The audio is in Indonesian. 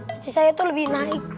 peci saya tuh lebih naik